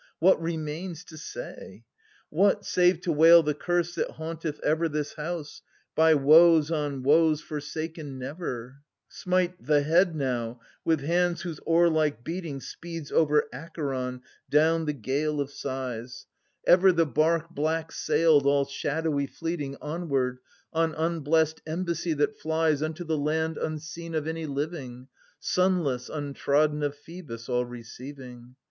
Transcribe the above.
What remains to say ? What, save to wail the Curse that haimteth ever This House, by woes on woes forsaken never ? (Ant. 2.) Smite the head now with hands whose oar like beating Speeds over Acheron down the gale of sighs ^ Adopting Verrall*s interpretation. THE SE VEN A GAINST THEBES. 39 Ever the bark black sailed, all shadowy fleeting Onward, on unblest embassy that flies Unto the land unseen of any living. Sunless, untrodden of Phcebus, all receiving !